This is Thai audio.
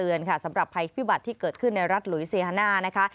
เตือนค่ะสำหรับภัยพิบัติที่เกิดขึ้นในรัฐหลุยเซียฮาน่านะคะ